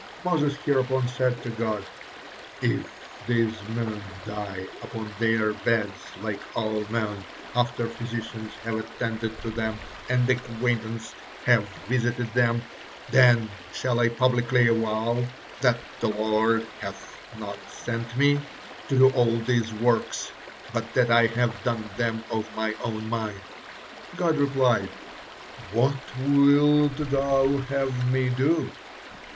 Moses hereupon said to God: "If these men die upon their beds like all men, after physicians have attended to them and acquaintances have visited them, then shall I publicly avow 'that the Lord hath not sent me' to do all these works, but that I have done them of mine own mind." God replied: "What wilt thou have Me do?"